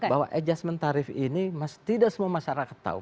bahwa adjustment tarif ini tidak semua masyarakat tahu